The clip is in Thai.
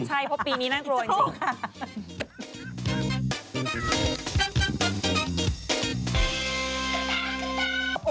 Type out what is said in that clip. ใช่เพราะปีนี้น่ากลัวจริงค่ะ